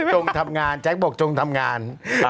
จงทำงานแจ๊คบอกจงทำงาน